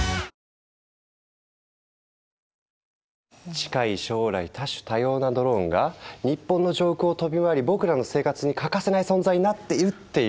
近い将来多種多様なドローンが日本の上空を飛び回り僕らの生活に欠かせない存在になっているっていう話。